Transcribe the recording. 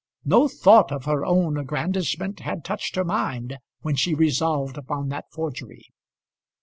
No thought of her own aggrandisement had touched her mind when she resolved upon that forgery.